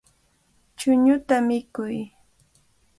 Chuñuta mikuy.